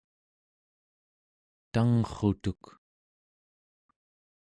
tangrrutuk